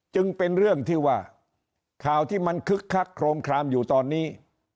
จึงเป็นเรื่องที่ว่าข่าวที่มันคึกคักโครมคลามอยู่ตอนนี้